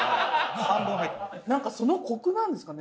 何かそのコクなんですかね